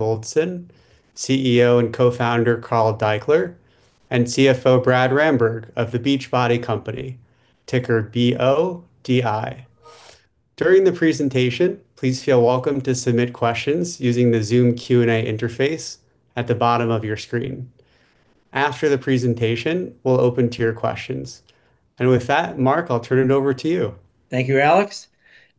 Goldston, CEO and Co-founder Carl Daikeler, and CFO Brad Ramberg of The Beachbody Company, ticker BODi. During the presentation, please feel welcome to submit questions using the Zoom Q&A interface at the bottom of your screen. After the presentation, we'll open to your questions. And with that, Mark, I'll turn it over to you. Thank you, Alex.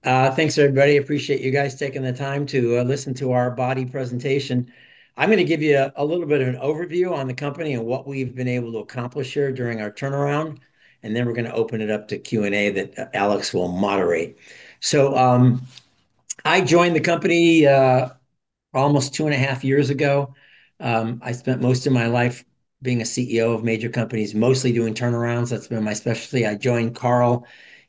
Thanks, everybody. Appreciate you guys taking the time to listen to our BODi presentation. I'm going to give you a little bit of an overview on the company and what we've been able to accomplish here during our turnaround, and then we're going to open it up to Q&A that Alex will moderate, so I joined the company almost two and a half years ago. I spent most of my life being a CEO of major companies, mostly doing turnarounds. That's been my specialty. I joined Carl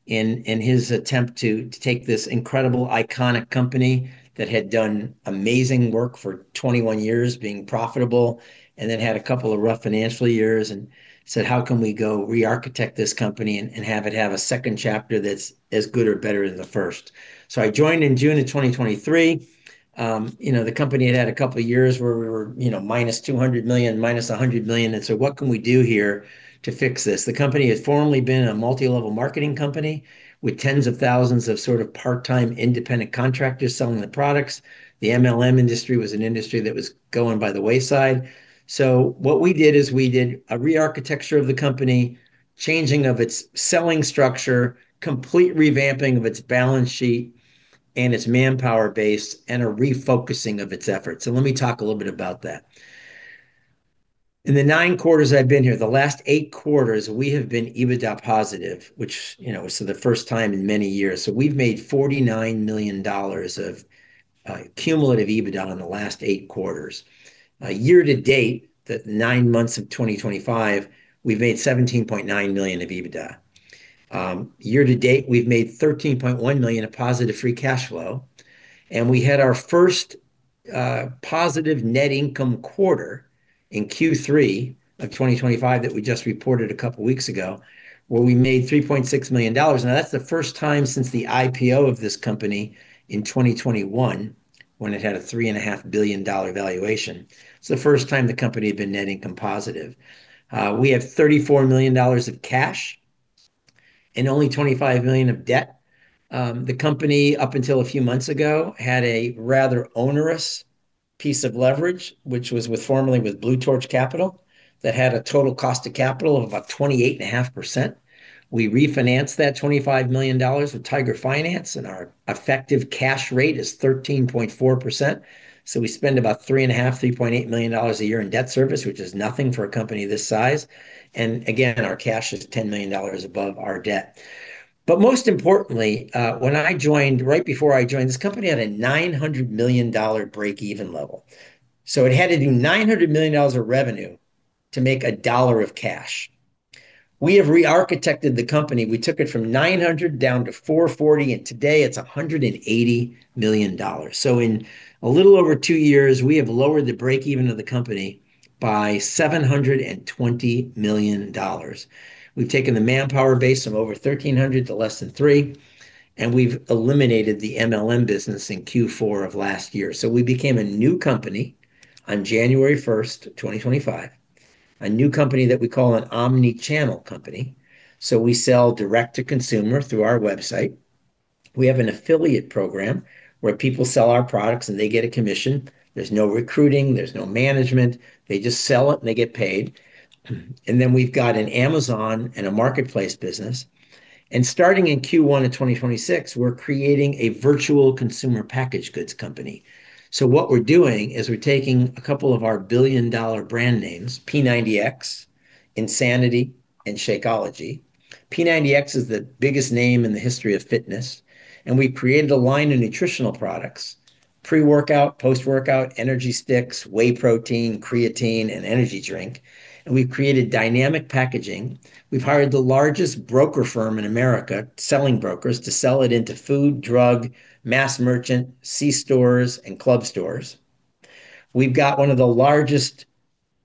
in his attempt to take this incredible, iconic company that had done amazing work for 21 years, being profitable, and then had a couple of rough financial years and said, "How can we go re-architect this company and have it have a second chapter that's as good or better than the first," so I joined in June of 2023. The company had had a couple of years where we were -$200 million, -$100 million. And so what can we do here to fix this? The company had formerly been a multi-level marketing company with tens of thousands of sort of part-time independent contractors selling the products. The MLM industry was an industry that was going by the wayside. So what we did is we did a re-architecture of the company, changing of its selling structure, complete revamping of its balance sheet and its manpower base, and a refocusing of its efforts. So let me talk a little bit about that. In the nine quarters I've been here, the last eight quarters, we have been EBITDA positive, which was the first time in many years. So we've made $49 million of cumulative EBITDA in the last eight quarters. Year to date, the nine months of 2025, we've made $17.9 million of EBITDA. Year to date, we've made $13.1 million of positive free cash flow. And we had our first positive net income quarter in Q3 of 2025 that we just reported a couple of weeks ago where we made $3.6 million. Now, that's the first time since the IPO of this company in 2021 when it had a $3.5 billion valuation. It's the first time the company had been net income positive. We have $34 million of cash and only $25 million of debt. The company, up until a few months ago, had a rather onerous piece of leverage, which was formerly with Blue Torch Capital that had a total cost of capital of about 28.5%. We refinanced that $25 million with Tiger Finance, and our effective cash rate is 13.4%. So we spend about $3.5-$3.8 million a year in debt service, which is nothing for a company this size. And again, our cash is $10 million above our debt. But most importantly, when I joined, right before I joined, this company had a $900 million break-even level. So it had to do $900 million of revenue to make a dollar of cash. We have re-architected the company. We took it from 900 down to 440, and today it's $180 million. So in a little over two years, we have lowered the break-even of the company by $720 million. We've taken the manpower base from over 1,300 to less than 300, and we've eliminated the MLM business in Q4 of last year. So we became a new company on January 1st, 2025, a new company that we call an omnichannel company. So we sell direct-to-consumer through our website. We have an affiliate program where people sell our products and they get a commission. There's no recruiting, there's no management. They just sell it and they get paid, and then we've got an Amazon and a marketplace business, and starting in Q1 of 2026, we're creating a virtual consumer packaged goods company, so what we're doing is we're taking a couple of our billion-dollar brand names, P90X, Insanity, and Shakeology. P90X is the biggest name in the history of fitness, and we've created a line of nutritional products: pre-workout, post-workout, energy sticks, whey protein, creatine, and energy drink, and we've created dynamic packaging. We've hired the largest broker firm in America selling brokers to sell it into food, drug, mass merchant, C-stores, and club stores. We've got one of the largest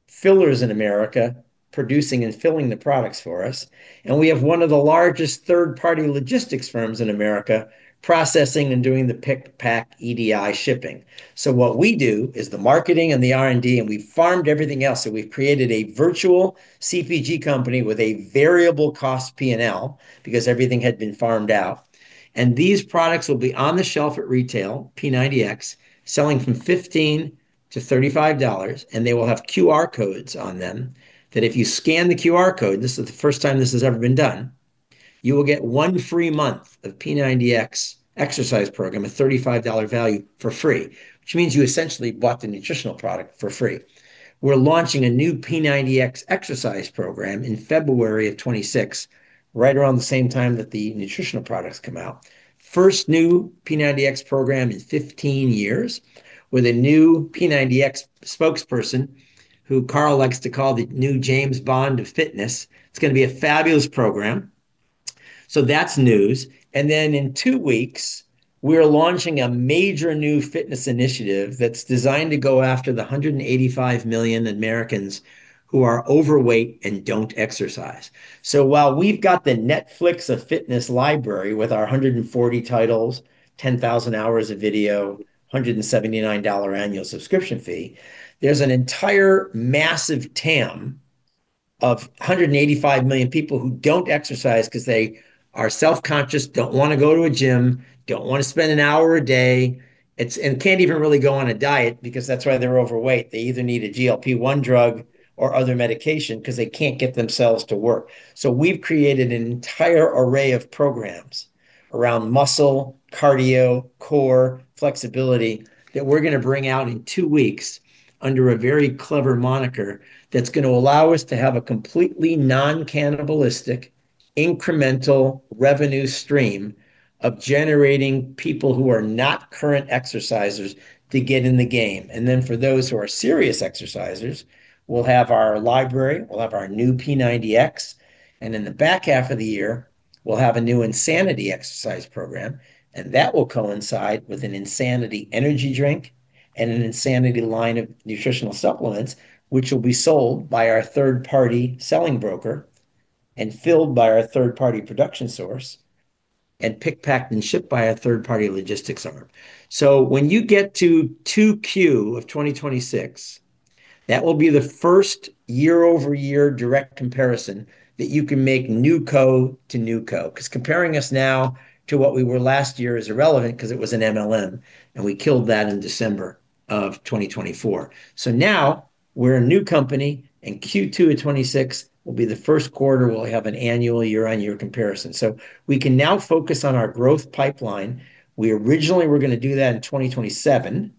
fillers in America producing and filling the products for us. And we have one of the largest third-party logistics firms in America processing and doing the pick, pack, EDI shipping. So what we do is the marketing and the R&D, and we've farmed everything else. So we've created a virtual CPG company with a variable cost P&L because everything had been farmed out. And these products will be on the shelf at retail, P90X, selling from $15-$35. And they will have QR codes on them that if you scan the QR code, and this is the first time this has ever been done, you will get one free month of P90X exercise program, a $35 value for free, which means you essentially bought the nutritional product for free. We're launching a new P90X exercise program in February of 2026, right around the same time that the nutritional products come out. First new P90X program in 15 years with a new P90X spokesperson who Carl likes to call the new James Bond of fitness. It's going to be a fabulous program. So that's news. And then in two weeks, we're launching a major new fitness initiative that's designed to go after the 185 million Americans who are overweight and don't exercise. So while we've got the Netflix of fitness library with our 140 titles, 10,000 hours of video, $179 annual subscription fee, there's an entire massive TAM of 185 million people who don't exercise because they are self-conscious, don't want to go to a gym, don't want to spend an hour a day, and can't even really go on a diet because that's why they're overweight. They either need a GLP-1 drug or other medication because they can't get themselves to work. So we've created an entire array of programs around muscle, cardio, core, flexibility that we're going to bring out in two weeks under a very clever moniker that's going to allow us to have a completely non-cannibalistic incremental revenue stream of generating people who are not current exercisers to get in the game. And then for those who are serious exercisers, we'll have our library, we'll have our new P90X, and in the back half of the year, we'll have a new Insanity exercise program. And that will coincide with an Insanity energy drink and an Insanity line of nutritional supplements, which will be sold by our third-party selling broker and filled by our third-party production source and pick, packed, and shipped by our third-party logistics arm. So when you get to Q2 of 2026, that will be the first year-over-year direct comparison that you can make NewCo to NewCo because comparing us now to what we were last year is irrelevant because it was an MLM and we killed that in December of 2024, so now we're a new company and Q2 of 2026 will be the first quarter where we have an annual year-on-year comparison, so we can now focus on our growth pipeline. We originally were going to do that in 2027,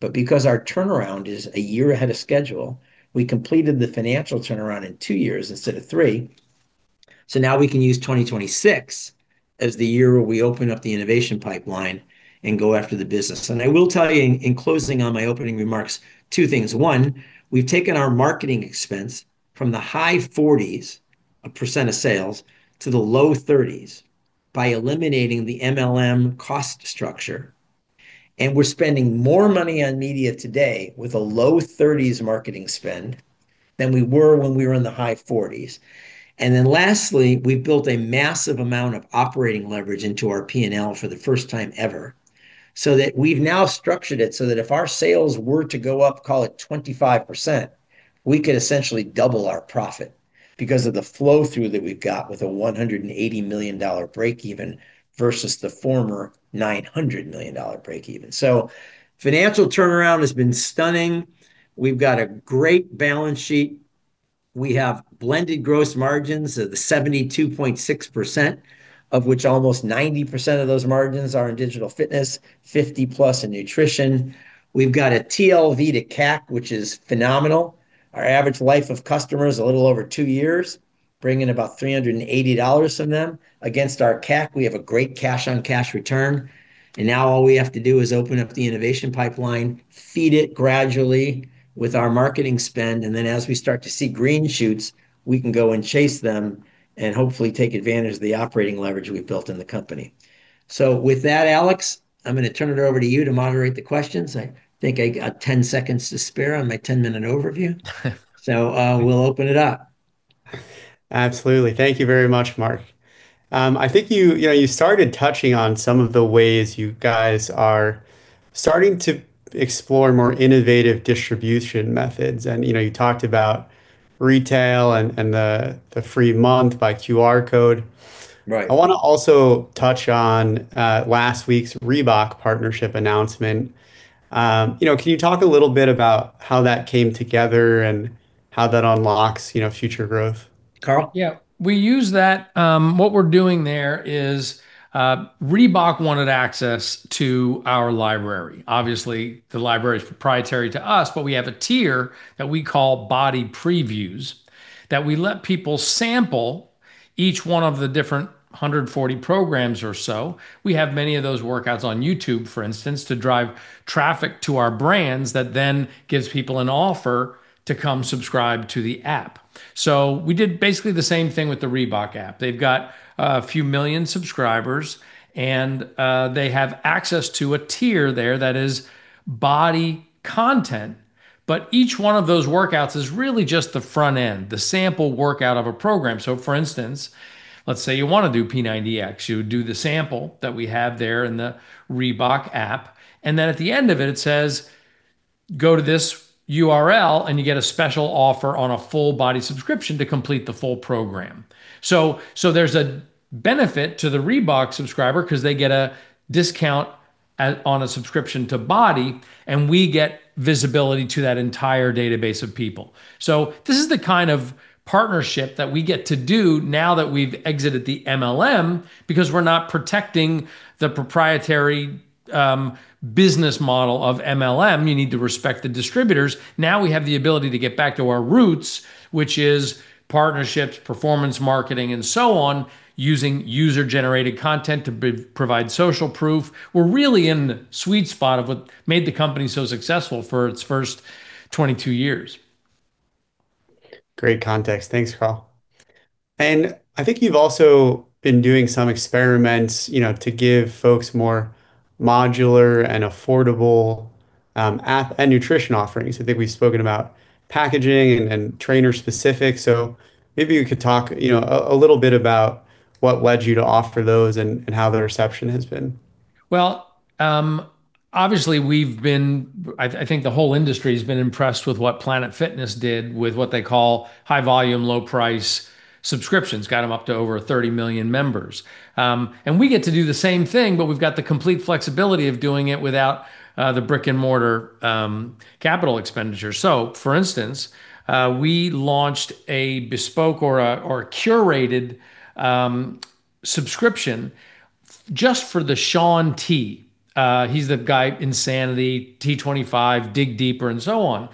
but because our turnaround is a year ahead of schedule, we completed the financial turnaround in two years instead of three, so now we can use 2026 as the year where we open up the innovation pipeline and go after the business, and I will tell you in closing on my opening remarks, two things. One, we've taken our marketing expense from the high 40s% of sales to the low 30s% by eliminating the MLM cost structure, and we're spending more money on media today with a low 30s% marketing spend than we were when we were in the high 40s, and then lastly, we built a massive amount of operating leverage into our P&L for the first time ever so that we've now structured it so that if our sales were to go up, call it 25%, we could essentially double our profit because of the flow-through that we've got with a $180 million break-even versus the former $900 million break-even, so financial turnaround has been stunning. We've got a great balance sheet. We have blended gross margins of the 72.6%, of which almost 90% of those margins are in digital fitness, 50 plus in nutrition. We've got a TLV to CAC, which is phenomenal. Our average life of customers is a little over two years, bringing about $380 from them. Against our CAC, we have a great cash-on-cash return. And now all we have to do is open up the innovation pipeline, feed it gradually with our marketing spend. And then as we start to see green shoots, we can go and chase them and hopefully take advantage of the operating leverage we've built in the company. So with that, Alex, I'm going to turn it over to you to moderate the questions. I think I got 10 seconds to spare on my 10-minute overview. So we'll open it up. Absolutely. Thank you very much, Mark. I think you started touching on some of the ways you guys are starting to explore more innovative distribution methods. And you talked about retail and the free month by QR code. I want to also touch on last week's Reebok partnership announcement. Can you talk a little bit about how that came together and how that unlocks future growth? Carl? Yeah. We use that. What we're doing there is Reebok wanted access to our library. Obviously, the library is proprietary to us, but we have a tier that we call BODi Previews that we let people sample each one of the different 140 programs or so. We have many of those workouts on YouTube, for instance, to drive traffic to our brands that then gives people an offer to come subscribe to the app. So we did basically the same thing with the Reebok app. They've got a few million subscribers, and they have access to a tier there that is BODi content. But each one of those workouts is really just the front end, the sample workout of a program. So for instance, let's say you want to do P90X, you would do the sample that we have there in the Reebok app. And then at the end of it, it says, "Go to this URL and you get a special offer on a full BODi subscription to complete the full program." So there's a benefit to the Reebok subscriber because they get a discount on a subscription to BODi, and we get visibility to that entire database of people. So this is the kind of partnership that we get to do now that we've exited the MLM because we're not protecting the proprietary business model of MLM. You need to respect the distributors. Now we have the ability to get back to our roots, which is partnerships, performance marketing, and so on, using user-generated content to provide social proof. We're really in the sweet spot of what made the company so successful for its first 22 years. Great context. Thanks, Carl. And I think you've also been doing some experiments to give folks more modular and affordable app and nutrition offerings. I think we've spoken about packaging and trainer-specific. So maybe you could talk a little bit about what led you to offer those and how the reception has been? Well, obviously, we've been, I think the whole industry has been impressed with what Planet Fitness did with what they call high-volume, low-price subscriptions, got them up to over 30 million members. And we get to do the same thing, but we've got the complete flexibility of doing it without the brick-and-mortar capital expenditure. So for instance, we launched a bespoke or a curated subscription just for the Shaun T. He's the guy Insanity, T25, Dig Deeper So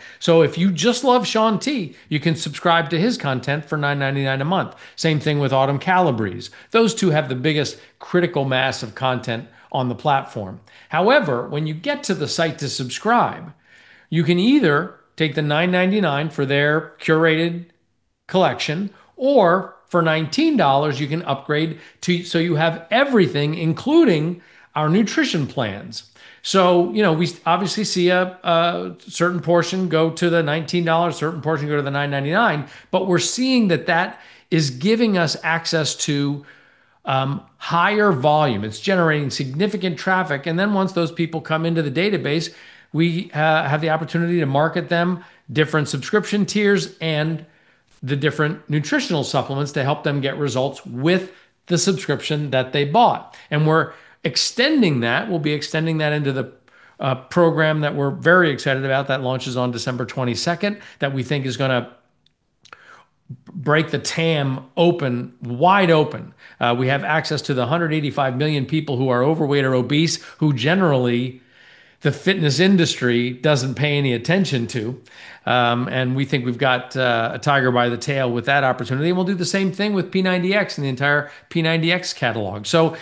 we obviously see a certain portion go to the $19, a certain portion go to the $9.99, but we're seeing that that is giving us access to higher volume. It's generating significant traffic. And then once those people come into the database, we have the opportunity to market them different subscription tiers and the different nutritional supplements to help them get results with the subscription that they bought. And we're extending that. We'll be extending that into the program that we're very excited about that launches on December 22nd that we think is going to break the TAM open, wide open. We have access to the 185 million people who are overweight or obese, who generally the fitness industry doesn't pay any attention to. And we think we've got a tiger by the tail with that opportunity. And we'll do the same thing with P90X and the entire P90X catalog. So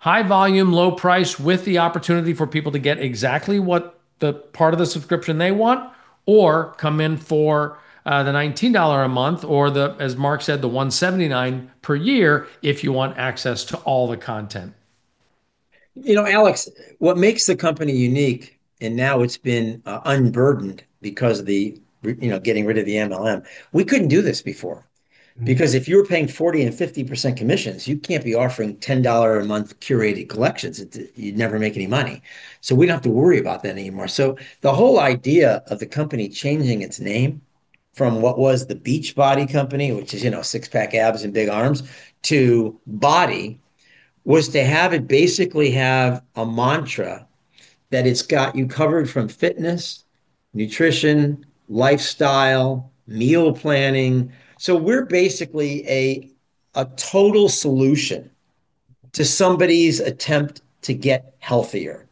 high volume, low price with the opportunity for people to get exactly what the part of the subscription they want or come in for the $19 a month or, as Mark said, the $179 per year if you want access to all the content. You know, Alex, what makes the company unique, and now it's been unburdened because of the getting rid of the MLM. We couldn't do this before. Because if you were paying 40%-50% commissions, you can't be offering $10 a month curated collections. You'd never make any money. So we don't have to worry about that anymore. So the whole idea of the company changing its name from what was the Beachbody Company, which is six-pack abs and big arms to BODi, was to have it basically have a mantra that it's got you covered from fitness, nutrition, lifestyle, meal planning. So we're basically a total solution to somebody's attempt to get healthier,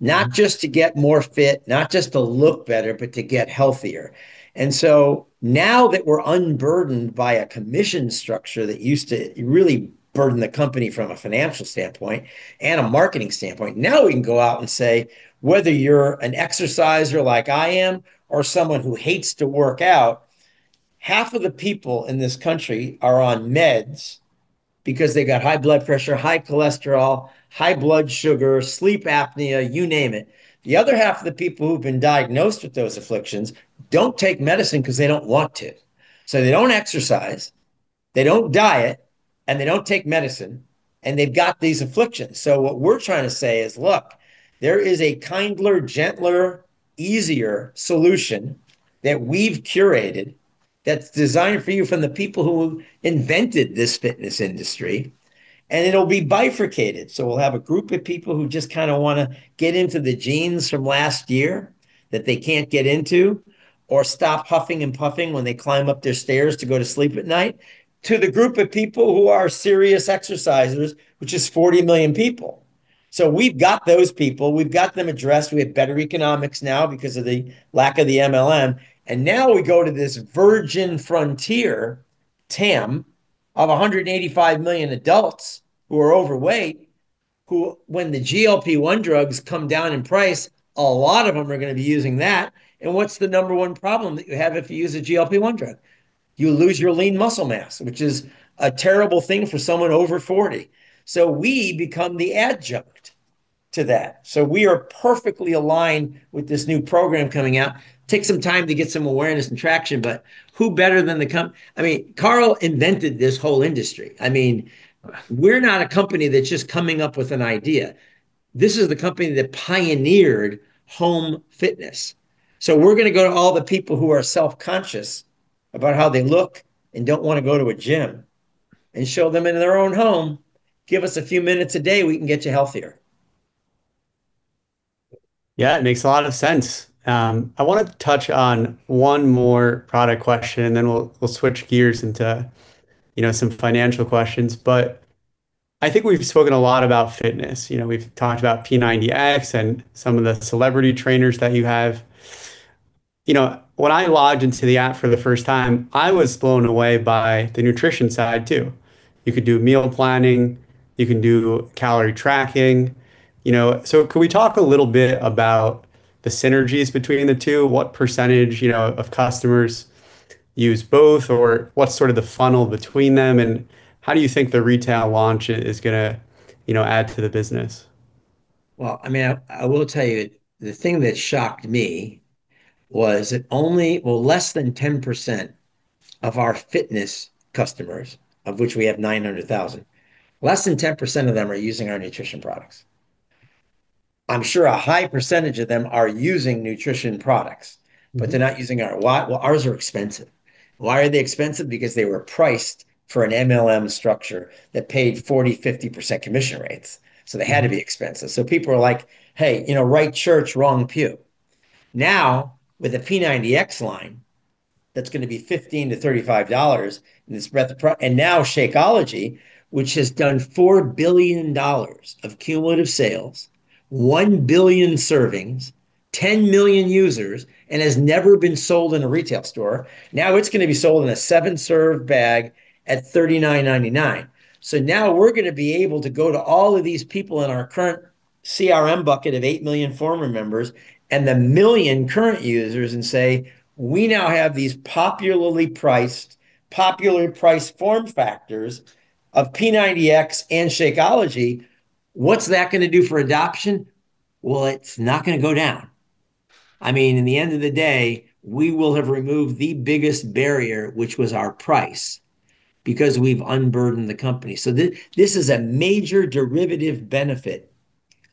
not just to get more fit, not just to look better, but to get healthier. And so now that we're unburdened by a commission structure that used to really burden the company from a financial standpoint and a marketing standpoint, now we can go out and say, whether you're an exerciser like I am or someone who hates to work out, half of the people in this country are on meds because they've got high blood pressure, high cholesterol, high blood sugar, sleep apnea, you name it. The other half of the people who've been diagnosed with those afflictions don't take medicine because they don't want to, so they don't exercise, they don't diet, and they don't take medicine, and they've got these afflictions, so what we're trying to say is, look, there is a kinder, gentler, easier solution that we've curated that's designed for you from the people who invented this fitness industry, and it'll be bifurcated. So we'll have a group of people who just kind of want to get into the jeans from last year that they can't get into or stop huffing and puffing when they climb up their stairs to go to sleep at night to the group of people who are serious exercisers, which is 40 million people. So we've got those people. We've got them addressed. We have better economics now because of the lack of the MLM. And now we go to this virgin frontier TAM of 185 million adults who are overweight who, when the GLP-1 drugs come down in price, a lot of them are going to be using that. And what's the number one problem that you have if you use a GLP-1 drug? You lose your lean muscle mass, which is a terrible thing for someone over 40. So we become the adjunct to that. So we are perfectly aligned with this new program coming out. It takes some time to get some awareness and traction, but who better than the company? I mean, Carl invented this whole industry. I mean, we're not a company that's just coming up with an idea. This is the company that pioneered home fitness, so we're going to go to all the people who are self-conscious about how they look and don't want to go to a gym and show them in their own home. Give us a few minutes a day, we can get you healthier. Yeah, it makes a lot of sense. I want to touch on one more product question, and then we'll switch gears into some financial questions, but I think we've spoken a lot about fitness. We've talked about P90X and some of the celebrity trainers that you have. When I logged into the app for the first time, I was blown away by the nutrition side too. You could do meal planning. You can do calorie tracking. So can we talk a little bit about the synergies between the two? What percentage of customers use both, or what's sort of the funnel between them? And how do you think the retail launch is going to add to the business? Well, I mean, I will tell you the thing that shocked me was that only, well, less than 10% of our fitness customers, of which we have 900,000, less than 10% of them are using our nutrition products. I'm sure a high percentage of them are using nutrition products, but they're not using ours. Well, ours are expensive. Why are they expensive? Because they were priced for an MLM structure that paid 40%-50% commission rates. So they had to be expensive. So people were like, "Hey, you know right church, wrong pew." Now, with a P90X line, that's going to be $15-$35. And now Shakeology, which has done $4 billion of cumulative sales, 1 billion servings, 10 million users, and has never been sold in a retail store, now it's going to be sold in a seven-serve bag at $39.99. So now we're going to be able to go to all of these people in our current CRM bucket of 8 million former members and 1 million current users and say, "We now have these popularly priced form factors of P90X and Shakeology. What's that going to do for adoption?" Well, it's not going to go down. I mean, in the end of the day, we will have removed the biggest barrier, which was our price, because we've unburdened the company. So this is a major derivative benefit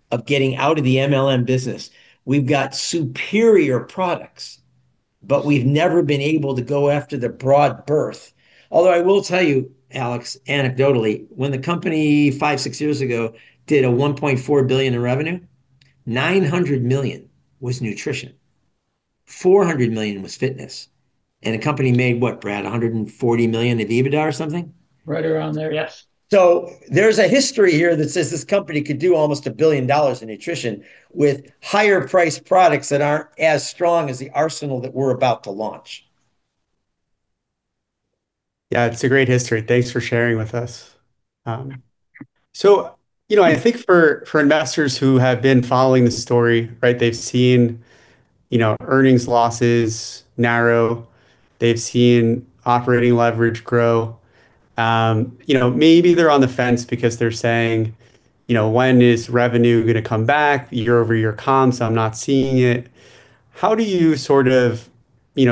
of getting out of the MLM business. We've got superior products, but we've never been able to go after the broad berth. Although I will tell you, Alex, anecdotally, when the company five, six years ago did $1.4 billion in revenue, $900 million was nutrition, $400 million was fitness. And the company made what, Brad? $140 million at EBITDA or something? Right around there, yes. So there's a history here that says this company could do almost $1 billion in nutrition with higher-priced products that aren't as strong as the arsenal that we're about to launch. Yeah, it's a great history. Thanks for sharing with us. So I think for investors who have been following this story, they've seen earnings losses narrow. They've seen operating leverage grow. Maybe they're on the fence because they're saying, "When is revenue going to come back? Year-over-year comps, I'm not seeing it." How do you sort of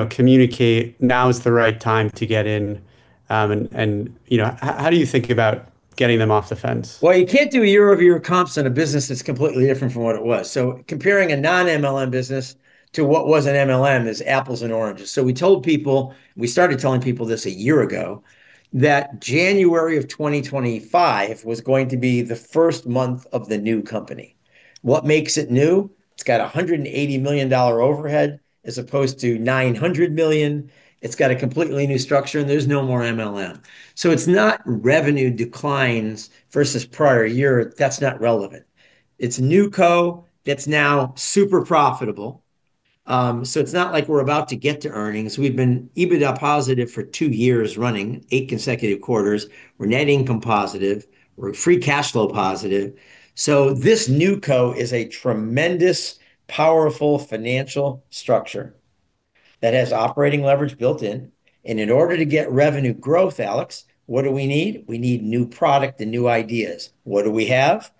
communicate, "Now is the right time to get in"? And how do you think about getting them off the fence? Well, you can't do year-over-year comps in a business that's completely different from what it was. So comparing a non-MLM business to what was an MLM is apples and oranges. So we told people, we started telling people this a year ago, that January of 2025 was going to be the first month of the new company. What makes it new? It's got a $180 million overhead as opposed to $900 million. It's got a completely new structure, and there's no more MLM. So it's not revenue declines versus prior year. That's not relevant. It's NewCo It's now super profitable. So it's not like we're about to get to earnings. We've been EBITDA positive for two years running, eight consecutive quarters. We're net income positive. We're free cash flow positive. So this NewCo is a tremendous, powerful financial structure that has operating leverage built in. And in order to get revenue growth, Alex, what do we need? We need new product and new ideas. What do we have?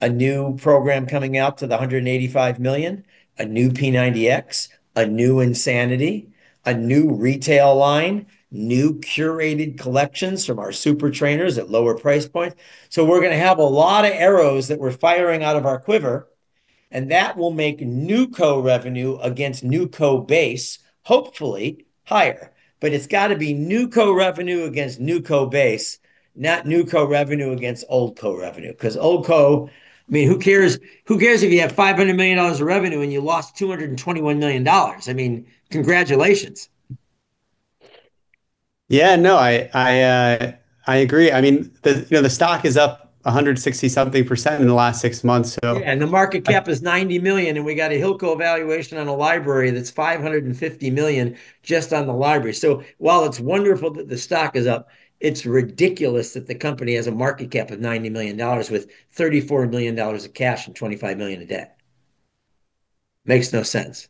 A new program coming out to the $185 million, a new P90X, a new Insanity, a new retail line, new curated collections from our Super Trainers at lower price points. So we're going to have a lot of arrows that we're firing out of our quiver, and that will make NewCo revenue against NewCo base, hopefully higher. But it's got to be NewCo revenue against NewCo base, not NewCo revenue against OldCo revenue. Because OldCo I mean, who cares if you have $500 million of revenue and you lost $221 million? I mean, congratulations. Yeah, no, I agree. I mean, the stock is up 160-something% in the last six months. Yeah, and the market cap is $90 million, and we got a Hilco valuation on a library that's $550 million just on the library. So while it's wonderful that the stock is up, it's ridiculous that the company has a market cap of $90 million with $34 million of cash and $25 million of debt. Makes no sense.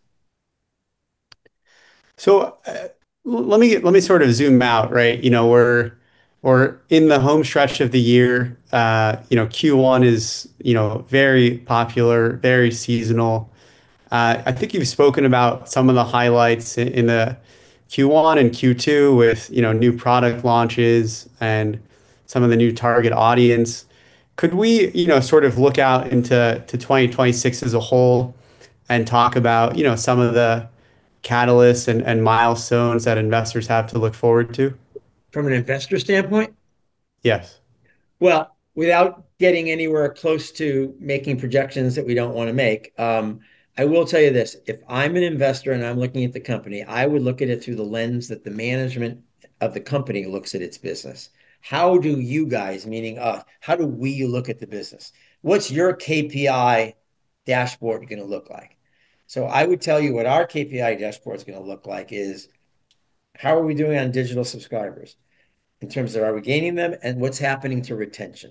So let me sort of zoom out. We're in the home stretch of the year. Q1 is very popular, very seasonal. I think you've spoken about some of the highlights in the Q1 and Q2 with new product launches and some of the new target audience. Could we sort of look out into 2026 as a whole and talk about some of the catalysts and milestones that investors have to look forward to? From an investor standpoint? Yes. Without getting anywhere close to making projections that we don't want to make, I will tell you this. If I'm an investor and I'm looking at the company, I would look at it through the lens that the management of the company looks at its business. How do you guys, meaning us, how do we look at the business? What's your KPI dashboard going to look like? I would tell you what our KPI dashboard is going to look like is how are we doing on digital subscribers in terms of are we gaining them and what's happening to retention?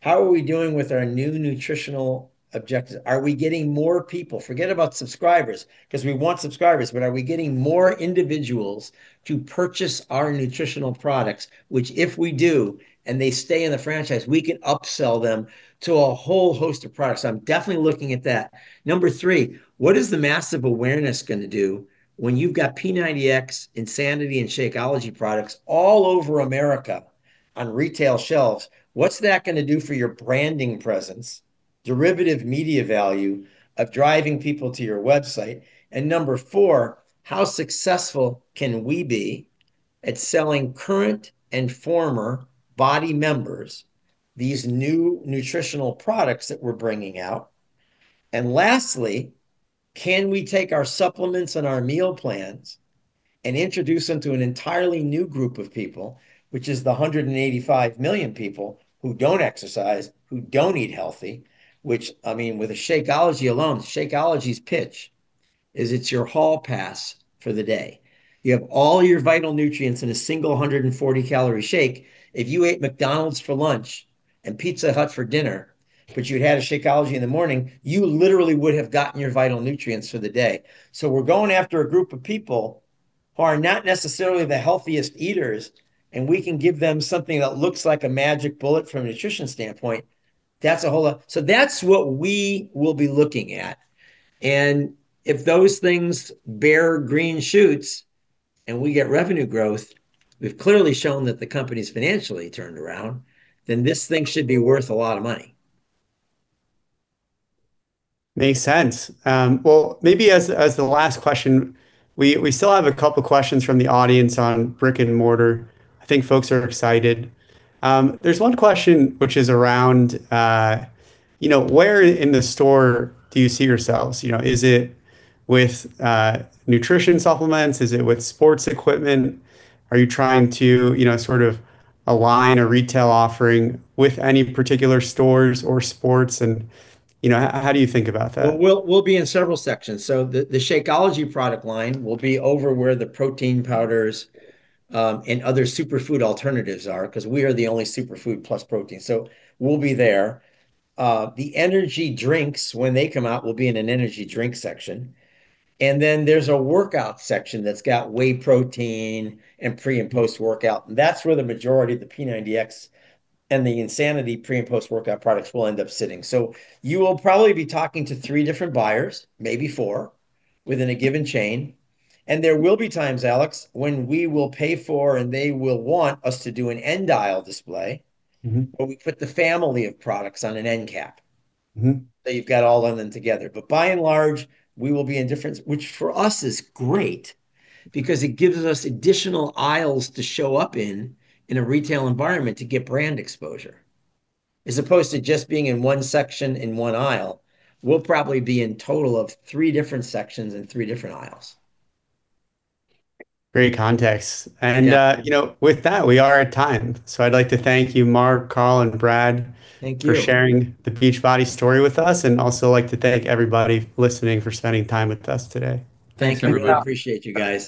How are we doing with our new nutritional objectives? Are we getting more people? Forget about subscribers because we want subscribers, but are we getting more individuals to purchase our nutritional products, which if we do and they stay in the franchise, we can upsell them to a whole host of products? I'm definitely looking at that. Number three, what is the massive awareness going to do when you've got P90X, Insanity, and Shakeology products all over America on retail shelves? What's that going to do for your branding presence, derivative media value of driving people to your website? And number four, how successful can we be at selling current and former Beachbody members these new nutritional products that we're bringing out? And lastly, can we take our supplements and our meal plans and introduce them to an entirely new group of people, which is the 185 million people who don't exercise, who don't eat healthy, which, I mean, with Shakeology alone, Shakeology's pitch is it's your hall pass for the day. You have all your vital nutrients in a single 140-calorie shake. If you ate McDonald's for lunch and Pizza Hut for dinner, but you'd had a Shakeology in the morning, you literally would have gotten your vital nutrients for the day. So we're going after a group of people who are not necessarily the healthiest eaters, and we can give them something that looks like a magic bullet from a nutrition standpoint. That's a whole lot. So that's what we will be looking at. And if those things bear green shoots and we get revenue growth, we've clearly shown that the company's financially turned around, then this thing should be worth a lot of money. Makes sense. Well, maybe as the last question, we still have a couple of questions from the audience on brick and mortar. I think folks are excited. There's one question which is around where in the store do you see yourselves? Is it with nutrition supplements? Is it with sports equipment? Are you trying to sort of align a retail offering with any particular stores or sports? And how do you think about that? We'll be in several sections. So the Shakeology product line will be over where the protein powders and other superfood alternatives are because we are the only superfood plus protein. So we'll be there. The energy drinks, when they come out, will be in an energy drink section. And then there's a workout section that's got whey protein and pre and post-workout. And that's where the majority of the P90X and the Insanity pre and post-workout products will end up sitting. So you will probably be talking to three different buyers, maybe four, within a given chain. And there will be times, Alex, when we will pay for and they will want us to do an end aisle display where we put the family of products on an end cap. So you've got all of them together. But by and large, we will be in different, which for us is great because it gives us additional aisles to show up in a retail environment to get brand exposure. As opposed to just being in one section in one aisle, we'll probably be in total of three different sections and three different aisles. Great context. And with that, we are at time. So I'd like to thank you, Mark, Carl, and Brad for sharing the Beachbody story with us. And also like to thank everybody listening for spending time with us today. Thanks, everyone. Appreciate you guys.